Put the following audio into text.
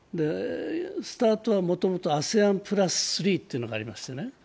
スタートは、もともとＡＳＥＡＮ＋３というのがありましてね